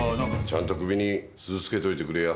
ちゃんと首に鈴つけといてくれや。